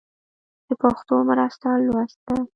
د پښتو مرسته لوست ده.